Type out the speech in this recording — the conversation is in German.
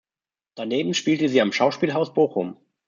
Daneben spielte sie am Schauspielhaus Bochum.